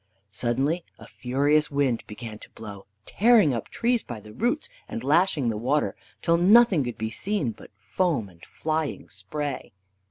Suddenly a furious wind began to blow, tearing up trees by the roots, and lashing the water till nothing could be seen but foam and flying spray.